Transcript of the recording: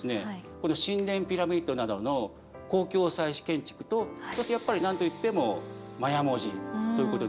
この神殿ピラミッドなどの公共祭祀建築とそしてやっぱり何といってもマヤ文字ということですよね。